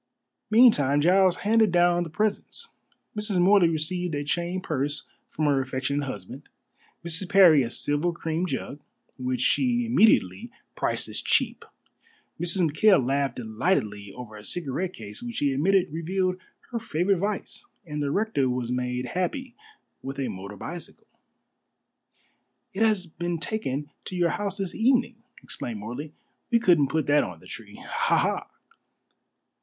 Meantime Giles handed down the presents. Mrs. Morley received a chain purse from her affectionate husband; Mrs. Parry a silver cream jug, which she immediately priced as cheap; Mrs. McKail laughed delightedly over a cigarette case, which she admitted revealed her favorite vice; and the rector was made happy with a motor bicycle. "It has been taken to your house this evening," explained Morley. "We couldn't put that on the tree. Ha! ha!"